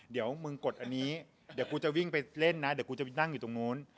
เดี๋ยวมึงกดอันนี้เดี๋ยวกูจะวิ่งไปเล่นนะเดี๋ยวกูจะไปนั่งอยู่ตรงนู้น